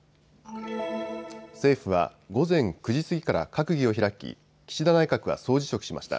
政府は午前９時過ぎから閣議を開き、岸田内閣は総辞職しました。